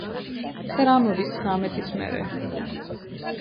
და რა მოდის ცხრამეტის მერე?